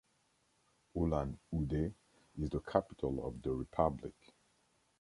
Ulan-Ude is the capital of the republic.